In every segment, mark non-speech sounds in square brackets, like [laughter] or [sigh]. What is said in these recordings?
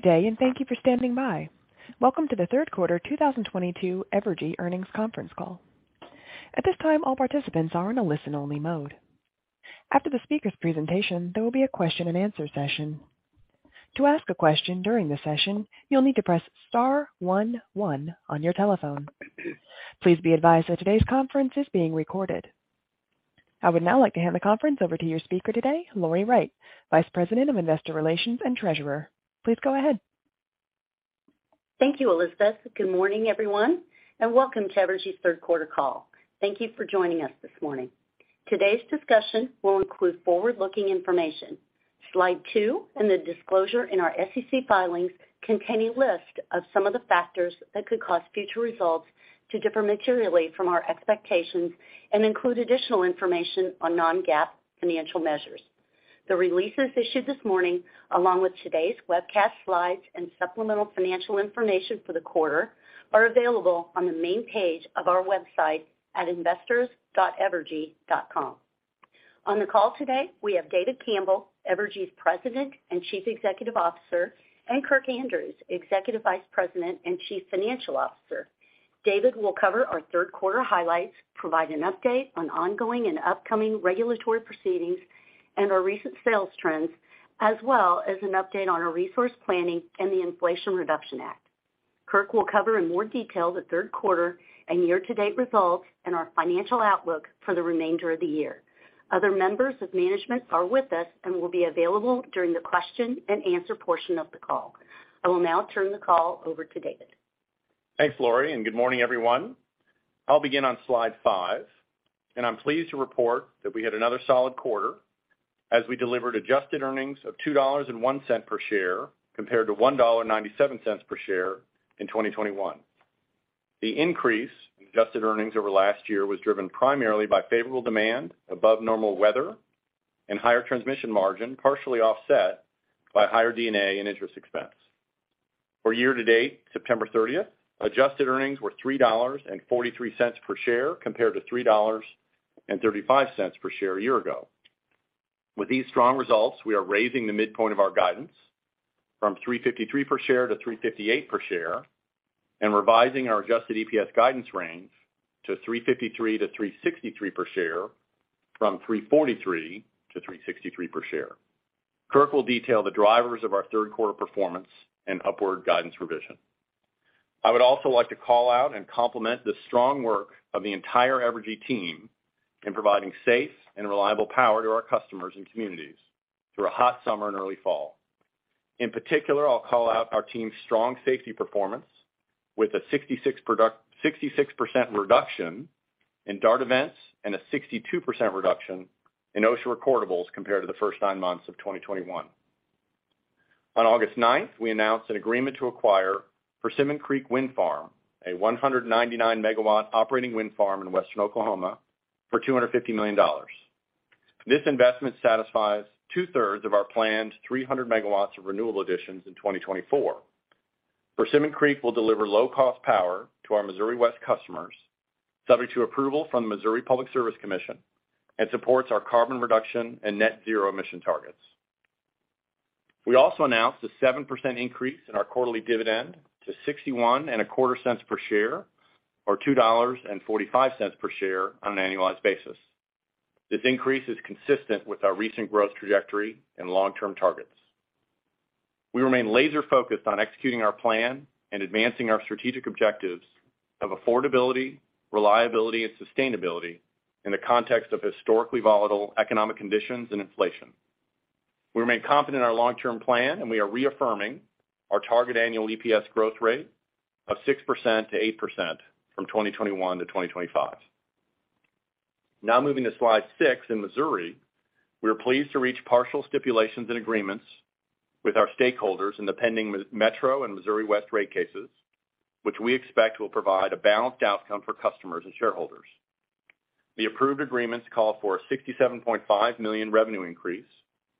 Good day, and thank you for standing by. Welcome to the third quarter 2022 Evergy earnings conference call. At this time, all participants are in a listen-only mode. After the speaker's presentation, there will be a question-and-answer session. To ask a question during the session, you'll need to press star one one on your telephone. Please be advised that today's conference is being recorded. I would now like to hand the conference over to your speaker today, Lori Wright, Vice President of Investor Relations and Treasurer. Please go ahead. Thank you, Elizabeth. Good morning, everyone, and welcome to Evergy's third quarter call. Thank you for joining us this morning. Today's discussion will include forward-looking information. Slide two and the disclosure in our SEC filings contain a list of some of the factors that could cause future results to differ materially from our expectations and include additional information on non-GAAP financial measures. The releases issued this morning, along with today's webcast slides and supplemental financial information for the quarter, are available on the main page of our website at investors.evergy.com. On the call today, we have David Campbell, Evergy's President and Chief Executive Officer, and Kirk Andrews, Executive Vice President and Chief Financial Officer. David will cover our third quarter highlights, provide an update on ongoing and upcoming regulatory proceedings and our recent sales trends, as well as an update on our resource planning and the Inflation Reduction Act. Kirk will cover in more detail the third quarter and year-to-date results and our financial outlook for the remainder of the year. Other members of management are with us and will be available during the question-and-answer portion of the call. I will now turn the call over to David. Thanks, Lori, and good morning, everyone. I'll begin on slide five, and I'm pleased to report that we had another solid quarter as we delivered adjusted earnings of $2.01 per share, compared to $1.97 per share in 2021. The increase in adjusted earnings over last year was driven primarily by favorable demand, above normal weather, and higher transmission margin, partially offset by higher D&A and interest expense. For year-to-date, September 30th, adjusted earnings were $3.43 per share, compared to $3.35 per share a year ago. With these strong results, we are raising the midpoint of our guidance from $3.53 per share to $3.58 per share and revising our adjusted EPS guidance range to $3.53-$3.63 per share from $3.43-$3.63 per share. Kirk will detail the drivers of our third quarter performance and upward guidance revision. I would also like to call out and compliment the strong work of the entire Evergy team in providing safe and reliable power to our customers and communities through a hot summer and early fall. In particular, I'll call out our team's strong safety performance with a 66% reduction in DART events and a 62% reduction in OSHA recordables compared to the first nine months of 2021. On August 9th, we announced an agreement to acquire Persimmon Creek Wind Farm, a 199 MW operating wind farm in western Oklahoma, for $250 million. This investment satisfies 2/3 of our planned 300 MW of renewable additions in 2024. Persimmon Creek will deliver low-cost power to our Missouri West customers, subject to approval from the Missouri Public Service Commission, and supports our carbon reduction and net zero emission targets. We also announced a 7% increase in our quarterly dividend to $0.6125 per share, or $2.45 per share on an annualized basis. This increase is consistent with our recent growth trajectory and long-term targets. We remain laser-focused on executing our plan and advancing our strategic objectives of affordability, reliability, and sustainability in the context of historically volatile economic conditions and inflation. We remain confident in our long-term plan, and we are reaffirming our target annual EPS growth rate of 6%-8% from 2021-2025. Now moving to slide six. In Missouri, we are pleased to reach partial stipulations and agreements with our stakeholders in the pending Metro and Missouri West rate cases, which we expect will provide a balanced outcome for customers and shareholders. The approved agreements call for a $67.5 million revenue increase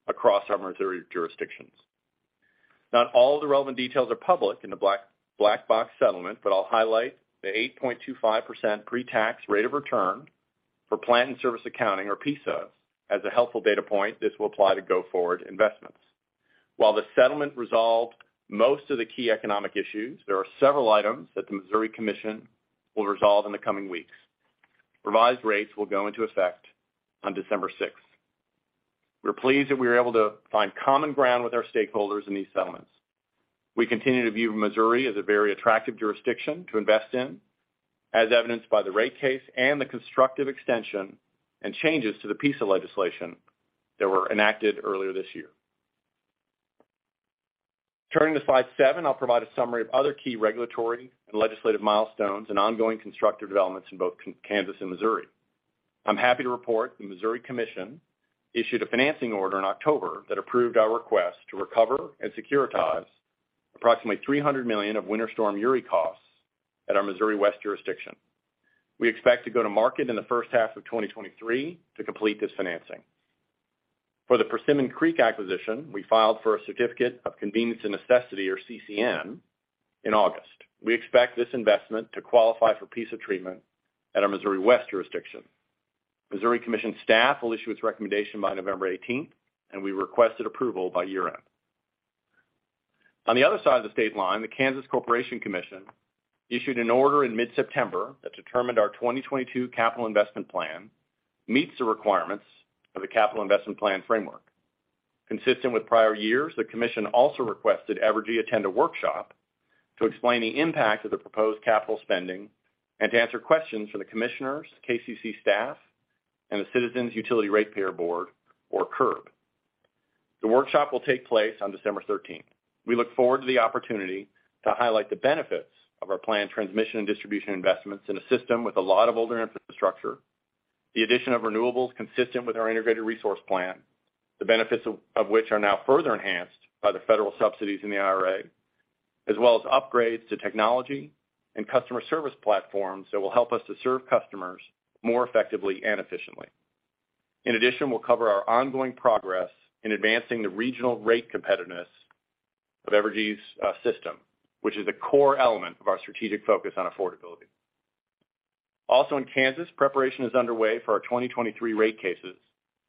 across our Missouri jurisdictions. Not all the relevant details are public in the black box settlement, but I'll highlight the 8.25% pre-tax rate of return for planned service accounting or PISA. As a helpful data point, this will apply to go-forward investments. While the settlement resolved most of the key economic issues, there are several items that the Missouri Commission will resolve in the coming weeks. Revised rates will go into effect on December 6th. We're pleased that we were able to find common ground with our stakeholders in these settlements. We continue to view Missouri as a very attractive jurisdiction to invest in, as evidenced by the rate case and the constructive extension and changes to the PISA legislation that were enacted earlier this year. Turning to slide seven, I'll provide a summary of other key regulatory and legislative milestones and ongoing constructive developments in both Kansas and Missouri. I'm happy to report the Missouri Commission issued a financing order in October that approved our request to recover and securitize approximately $300 million of Winter Storm Uri costs at our Missouri West jurisdiction. We expect to go to market in the first half of 2023 to complete this financing. For the Persimmon Creek acquisition, we filed for a Certificate of Convenience and Necessity, or CCN, in August. We expect this investment to qualify for PISA treatment at our Missouri West jurisdiction. Missouri Commission staff will issue its recommendation by November 18th, and we requested approval by year-end. On the other side of the state line, the Kansas Corporation Commission issued an order in mid-September that determined our 2022 capital investment plan meets the requirements of the capital investment plan framework. Consistent with prior years, the commission also requested Evergy attend a workshop to explain the impact of the proposed capital spending and to answer questions from the commissioners, KCC staff, and the Citizens Utility Ratepayer Board, or CURB. The workshop will take place on December 13th. We look forward to the opportunity to highlight the benefits of our planned transmission and distribution investments in a system with a lot of older infrastructure, the addition of renewables consistent with our integrated resource plan, the benefits of which are now further enhanced by the federal subsidies in the IRA, as well as upgrades to technology and customer service platforms that will help us to serve customers more effectively and efficiently. In addition, we'll cover our ongoing progress in advancing the regional rate competitiveness of Evergy's system, which is a core element of our strategic focus on affordability. Also in Kansas, preparation is underway for our 2023 rate cases,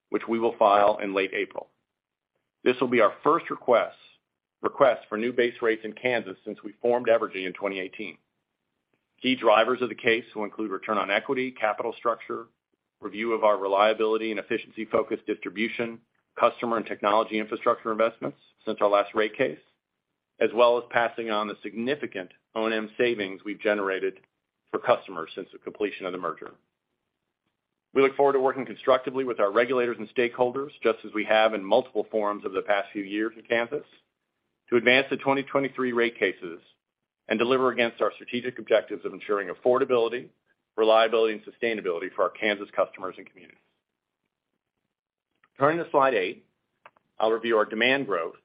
which we will file in late April. This will be our first request for new base rates in Kansas since we formed Evergy in 2018. Key drivers of the case will include return on equity, capital structure, review of our reliability and efficiency-focused distribution, customer and technology infrastructure investments since our last rate case, as well as passing on the significant O&M savings we've generated for customers since the completion of the merger. We look forward to working constructively with our regulators and stakeholders, just as we have in multiple forums over the past few years in Kansas, to advance the 2023 rate cases and deliver against our strategic objectives of ensuring affordability, reliability, and sustainability for our Kansas customers and communities. Turning to slide eight, I'll review our demand growth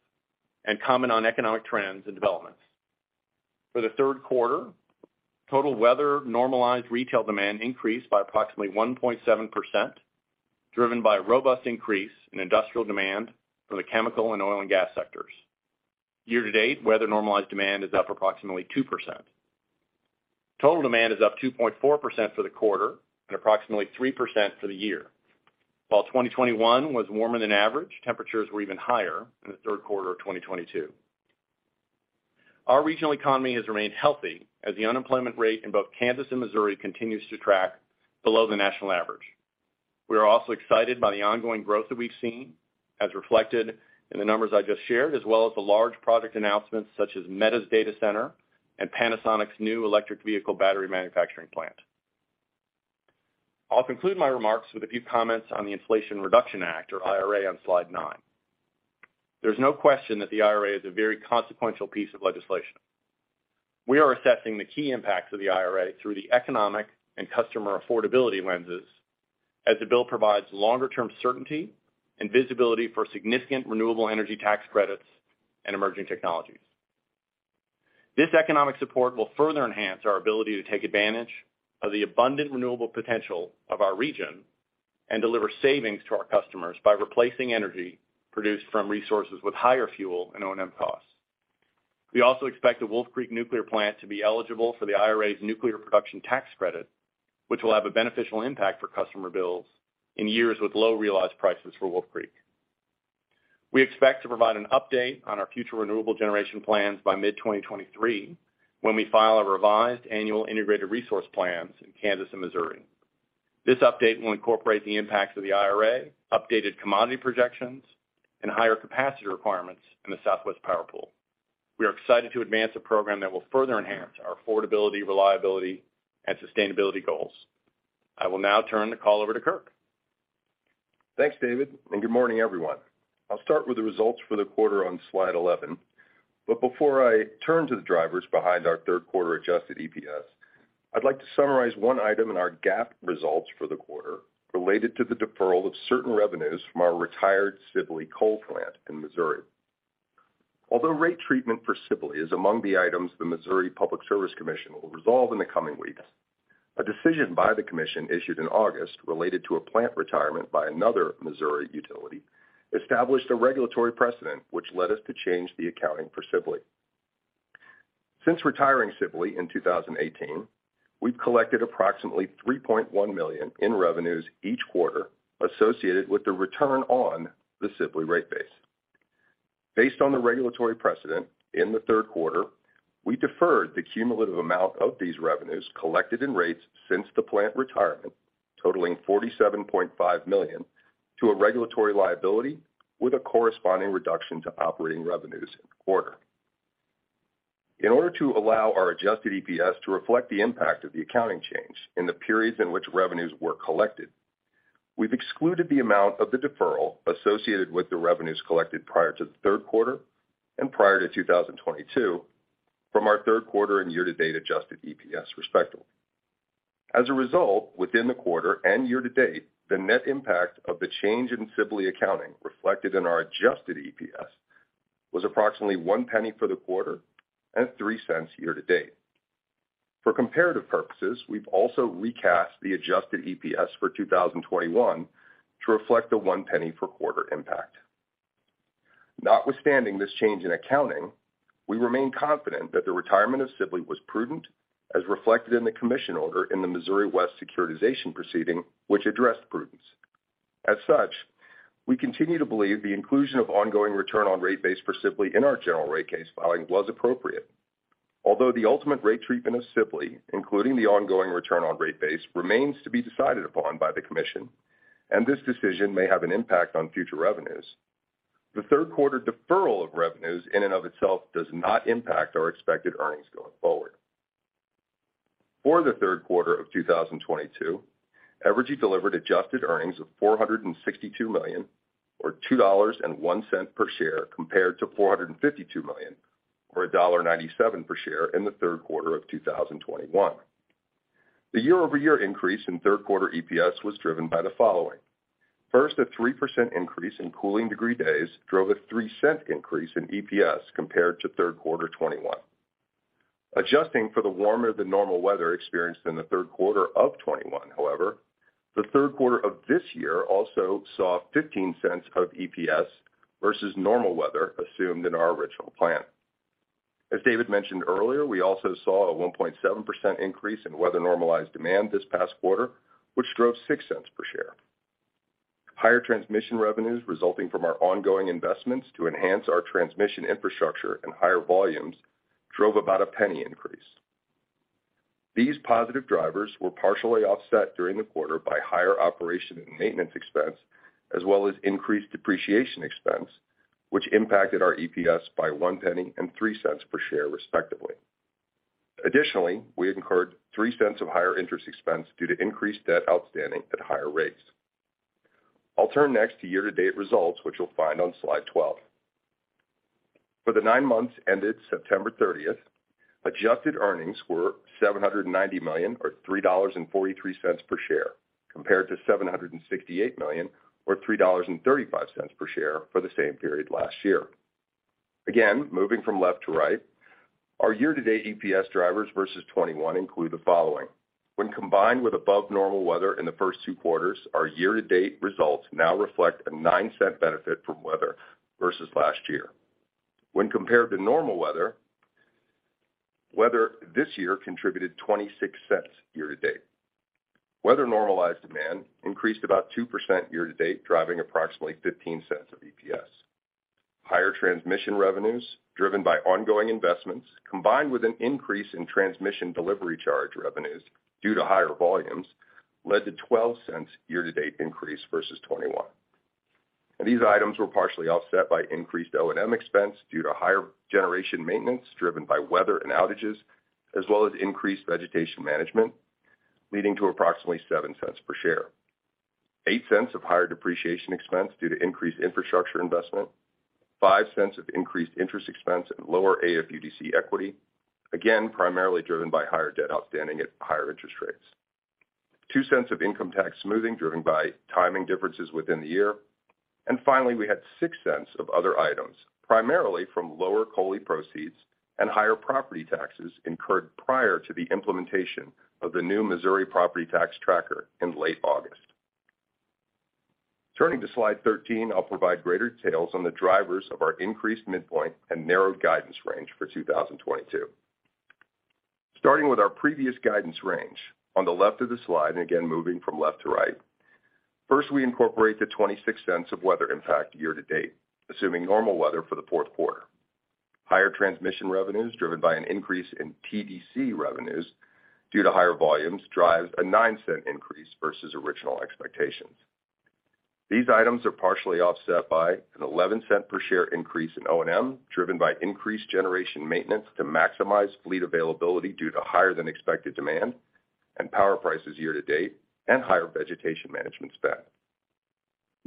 and comment on economic trends and developments. For the third quarter, total weather normalized retail demand increased by approximately 1.7%, driven by a robust increase in industrial demand for the chemical and oil and gas sectors. Year-to-date, weather normalized demand is up approximately 2%. Total demand is up 2.4% for the quarter and approximately 3% for the year. While 2021 was warmer than average, temperatures were even higher in the third quarter of 2022. Our regional economy has remained healthy as the unemployment rate in both Kansas and Missouri continues to track below the national average. We are also excited by the ongoing growth that we've seen, as reflected in the numbers I just shared, as well as the large project announcements such as Meta's data center and Panasonic's new electric vehicle battery manufacturing plant. I'll conclude my remarks with a few comments on the Inflation Reduction Act or IRA on slide nine. There's no question that the IRA is a very consequential piece of legislation. We are assessing the key impacts of the IRA through the economic and customer affordability lenses as the bill provides longer-term certainty and visibility for significant renewable energy tax credits and emerging technologies. This economic support will further enhance our ability to take advantage of the abundant renewable potential of our region and deliver savings to our customers by replacing energy produced from resources with higher fuel and O&M costs. We also expect the Wolf Creek Nuclear Plant to be eligible for the IRA's nuclear production tax credit, which will have a beneficial impact for customer bills in years with low realized prices for Wolf Creek. We expect to provide an update on our future renewable generation plans by mid 2023 when we file our revised annual integrated resource plans in Kansas and Missouri. This update will incorporate the impacts of the IRA, updated commodity projections, and higher capacity requirements in the Southwest Power Pool. We are excited to advance a program that will further enhance our affordability, reliability, and sustainability goals. I will now turn the call over to Kirk. Thanks, David, and good morning, everyone. I'll start with the results for the quarter on slide 11. Before I turn to the drivers behind our third quarter adjusted EPS, I'd like to summarize one item in our GAAP results for the quarter related to the deferral of certain revenues from our retired Sibley Coal Plant in Missouri. Although rate treatment for Sibley is among the items the Missouri Public Service Commission will resolve in the coming weeks, a decision by the commission issued in August related to a plant retirement by another Missouri utility established a regulatory precedent which led us to change the accounting for Sibley. Since retiring Sibley in 2018, we've collected approximately $3.1 million in revenues each quarter associated with the return on the Sibley rate base. Based on the regulatory precedent, in the third quarter, we deferred the cumulative amount of these revenues collected in rates since the plant retirement, totaling $47.5 million, to a regulatory liability with a corresponding reduction to operating revenues in the quarter. In order to allow our adjusted EPS to reflect the impact of the accounting change in the periods in which revenues were collected, we've excluded the amount of the deferral associated with the revenues collected prior to the third quarter and prior to 2022 from our third quarter and year-to-date adjusted EPS, respectively. As a result, within the quarter and year-to-date, the net impact of the change in Sibley accounting reflected in our adjusted EPS was approximately $0.01 for the quarter and $0.03 year-to-date. For comparative purposes, we've also recast the adjusted EPS for 2021 to reflect the $0.01 per quarter impact. Notwithstanding this change in accounting, we remain confident that the retirement of Sibley was prudent, as reflected in the commission order in the Missouri West securitization proceeding, which addressed prudence. As such, we continue to believe the inclusion of ongoing return on rate base for Sibley in our general rate case filing was appropriate. Although the ultimate rate treatment of Sibley, including the ongoing return on rate base, remains to be decided upon by the commission, and this decision may have an impact on future revenues. The third quarter deferral of revenues in and of itself does not impact our expected earnings going forward. For the third quarter of 2022, Evergy delivered adjusted earnings of $462 million or $2.01 per share, compared to $452 million or $1.97 per share in the third quarter of 2021. The year-over-year increase in third quarter EPS was driven by the following. First, a 3% increase in cooling degree days drove a $0.03 increase in EPS compared to third quarter 2021. Adjusting for the warmer than normal weather experienced in the third quarter of 2021, however, the third quarter of this year also saw $0.15 of EPS versus normal weather assumed in our original plan. As David mentioned earlier, we also saw a 1.7% increase in weather normalized demand this past quarter, which drove $0.06 per share. Higher transmission revenues resulting from our ongoing investments to enhance our transmission infrastructure and higher volumes drove about a $0.01 increase. These positive drivers were partially offset during the quarter by higher operation and maintenance expense, as well as increased depreciation expense, which impacted our EPS by $0.01 and $0.03 per share, respectively. Additionally, we incurred $0.03 of higher interest expense due to increased debt outstanding at higher rates. I'll turn next to year-to-date results, which you'll find on slide 12. For the nine months ended September 30th, adjusted earnings were $790 million or $3.43 per share, compared to $768 million or $3.35 per share for the same period last year. Again, moving from left to right, our year-to-date EPS drivers versus 2021 include the following. When combined with above normal weather in the first two quarters, our year-to-date results now reflect a $0.09 benefit from weather versus last year. When compared to normal weather this year contributed $0.26 year-to-date. Weather normalized demand increased about 2% year-to-date, driving approximately $0.15 of EPS. Higher transmission revenues driven by ongoing investments, combined with an increase in transmission delivery charge revenues due to higher volumes, led to $0.12 year-to-date increase versus 2021. These items were partially offset by increased O&M expense due to higher generation maintenance driven by weather and outages, as well as increased vegetation management, leading to approximately $0.07 per share. $0.08 of higher depreciation expense due to increased infrastructure investment. $0.05 of increased interest expense and lower AFUDC equity, again, primarily driven by higher debt outstanding at higher interest rates. $0.02 of income tax smoothing driven by timing differences within the year. Finally, we had $0.06 of other items, primarily from lower COLI proceeds and higher property taxes incurred prior to the implementation of the new Missouri property tax tracker in late August. Turning to slide 13, I'll provide greater details on the drivers of our increased midpoint and narrowed guidance range for 2022. Starting with our previous guidance range on the left of the slide, and again moving from left to right, first, we incorporate the $0.26 of weather impact year-to-date, assuming normal weather for the fourth quarter. Higher transmission revenues driven by an increase in TDC revenues due to higher volumes drives a $0.09 increase versus original expectations. These items are partially offset by an $0.11 per share increase in O&M, driven by increased generation maintenance to maximize fleet availability due to higher than expected demand and power prices year-to-date and higher vegetation management spend.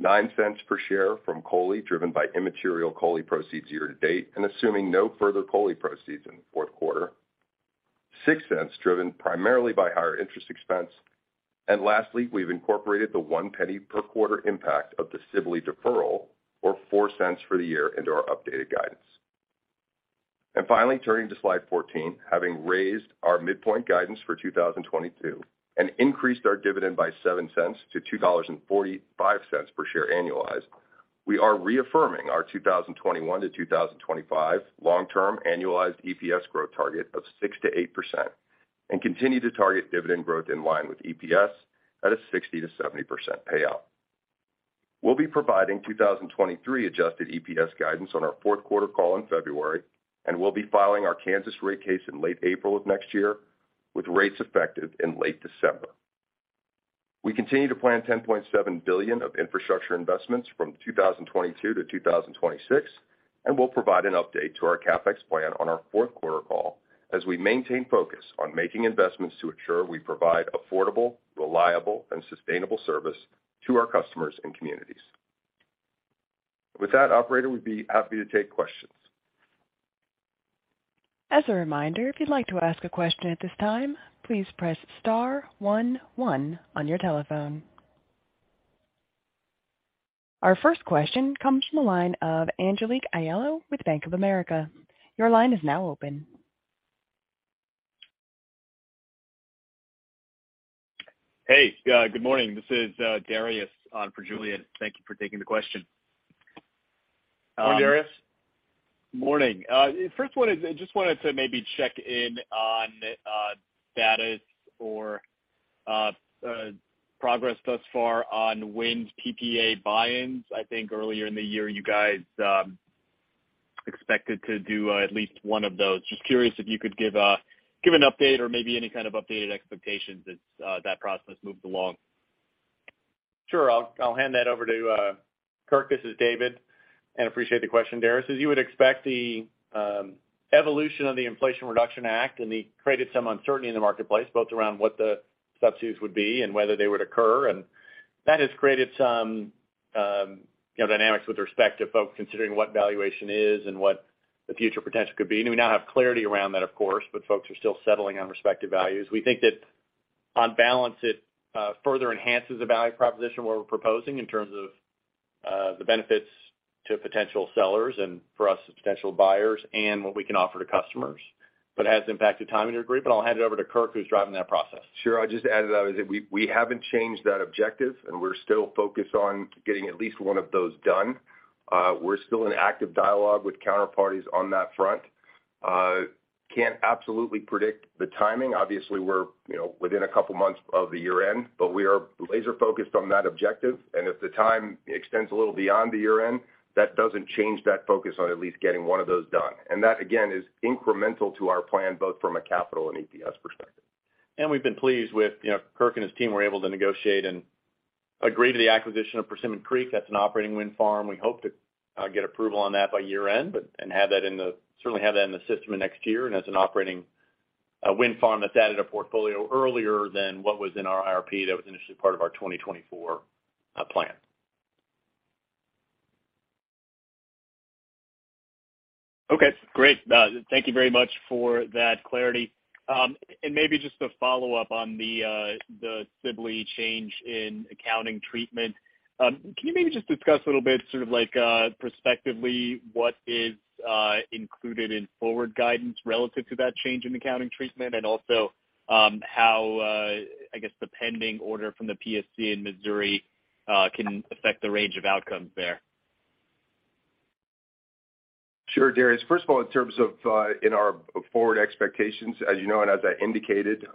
$0.09 per share from COLI, driven by immaterial COLI proceeds year-to-date and assuming no further COLI proceeds in the fourth quarter. $0.06 driven primarily by higher interest expense. Lastly, we've incorporated the $0.01 per quarter impact of the Sibley deferral or $0.04 for the year into our updated guidance. Finally, turning to slide 14. Having raised our midpoint guidance for 2022 and increased our dividend by $0.07-$2.45 per share annualized, we are reaffirming our 2021-2025 long-term annualized EPS growth target of 6%-8% and continue to target dividend growth in line with EPS at a 60%-70% payout. We'll be providing 2023 adjusted EPS guidance on our fourth quarter call in February, and we'll be filing our Kansas rate case in late April of next year with rates effective in late December. We continue to plan $10.7 billion of infrastructure investments from 2022-2026, and we'll provide an update to our CapEx plan on our fourth quarter call as we maintain focus on making investments to ensure we provide affordable, reliable, and sustainable service to our customers and communities. With that, operator, we'd be happy to take questions. As a reminder, if you'd like to ask a question at this time, please press star one one on your telephone. Our first question comes from the line of [audio distortion] with Bank of America. Your line is now open. Hey, good morning. This is Dariusz on for Julien Dumoulin-Smith. Thank you for taking the question. Morning, Dariusz. Morning. First one is I just wanted to maybe check in on status or progress thus far on wind PPA buy-ins. I think earlier in the year, you guys expected to do at least one of those. Just curious if you could give an update or maybe any kind of updated expectations as that process moves along. Sure. I'll hand that over to Kirk. This is David. Appreciate the question, Dariusz. As you would expect, the evolution of the Inflation Reduction Act created some uncertainty in the marketplace, both around what the subsidies would be and whether they would occur. That has created some you know dynamics with respect to folks considering what valuation is and what the future potential could be. We now have clarity around that, of course, but folks are still settling on respective values. We think that on balance, it further enhances the value proposition of what we're proposing in terms of the benefits to potential sellers and for us as potential buyers and what we can offer to customers. It has impacted timing to a degree, but I'll hand it over to Kirk, who's driving that process. Sure. I'll just add to that, we haven't changed that objective, and we're still focused on getting at least one of those done. We're still in active dialogue with counterparties on that front. Can't absolutely predict the timing. Obviously, we're, you know, within a couple months of the year-end, but we are laser-focused on that objective. If the time extends a little beyond the year-end, that doesn't change that focus on at least getting one of those done. That, again, is incremental to our plan, both from a capital and EPS perspective. We've been pleased with, you know, Kirk and his team were able to negotiate and agree to the acquisition of Persimmon Creek. That's an operating wind farm. We hope to get approval on that by year-end, and certainly have that in the system in next year. As an operating wind farm, that's added a portfolio earlier than what was in our IRP that was initially part of our 2024 plan. Okay. Great. Thank you very much for that clarity. Maybe just a follow-up on the Sibley change in accounting treatment. Can you maybe just discuss a little bit, sort of like, prospectively, what is included in forward guidance relative to that change in accounting treatment and also, how I guess the pending order from the PSC in Missouri can affect the range of outcomes there? Sure, Dariusz. First of all, in terms of in our forward expectations, as you know, and as I indicated,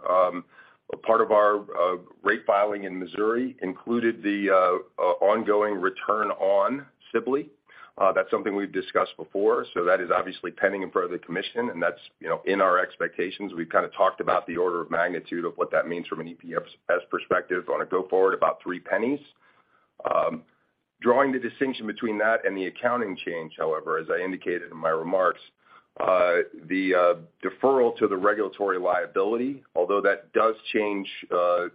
part of our rate filing in Missouri included the ongoing return on Sibley. That's something we've discussed before. That is obviously pending in front of the commission, and that's, you know, in our expectations. We've kind of talked about the order of magnitude of what that means from an EPS perspective on a go-forward, about three pennies. Drawing the distinction between that and the accounting change, however, as I indicated in my remarks, the deferral to the regulatory liability, although that does change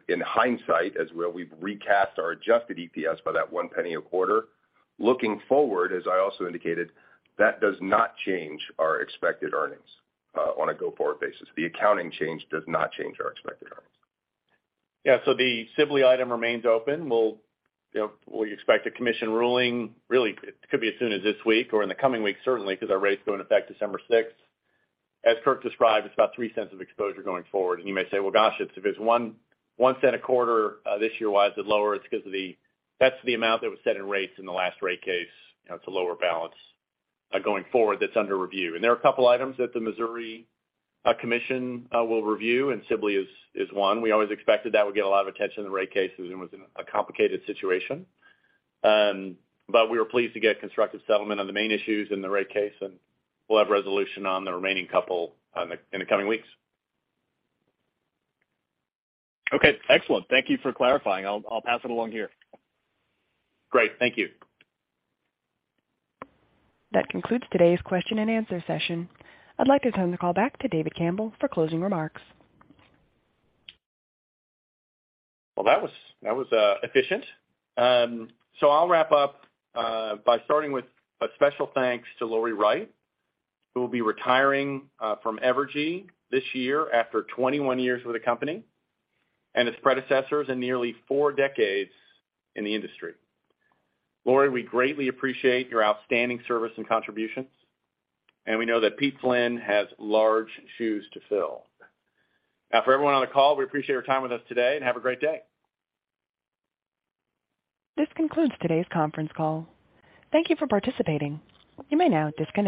in hindsight, as well, we've recast our adjusted EPS by that one penny a quarter. Looking forward, as I also indicated, that does not change our expected earnings on a go-forward basis. The accounting change does not change our expected earnings. Yeah. The Sibley item remains open. We'll, you know, we expect a commission ruling. Really, it could be as soon as this week or in the coming weeks, certainly, because our rates go in effect December sixth. As Kirk described, it's about $0.03 of exposure going forward. You may say, "Well, gosh, if there's one cent a quarter this year, why is it lower?" It's because that's the amount that was set in rates in the last rate case. You know, it's a lower balance going forward that's under review. There are a couple items that the Missouri Commission will review, and Sibley is one. We always expected that would get a lot of attention in the rate cases and was in a complicated situation. We were pleased to get constructive settlement on the main issues in the rate case, and we'll have resolution on the remaining couple in the coming weeks. Okay, excellent. Thank you for clarifying. I'll pass it along here. Great. Thank you. That concludes today's question and answer session. I'd like to turn the call back to David Campbell for closing remarks. Well, that was efficient. I'll wrap up by starting with a special thanks to Lori Wright, who will be retiring from Evergy this year after 21 years with the company and its predecessors and nearly four decades in the industry. Lori, we greatly appreciate your outstanding service and contributions, and we know that Pete Flynn has large shoes to fill. Now, for everyone on the call, we appreciate your time with us today, and have a great day. This concludes today's conference call. Thank you for participating. You may now disconnect.